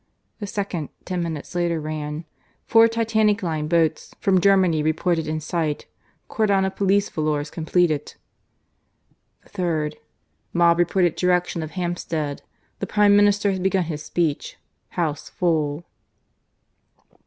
The second, ten minutes later, ran: "FOUR TITANIC LINE BOATS FROM GERMANY REPORTED IN SIGHT. CORDON OF POLICE VOLORS COMPLETED." The third: "MOB REPORTED DIRECTION OF HAMPSTEAD. THE PRIME MINISTER HAS BEGUN HIS SPEECH. HOUSE FULL."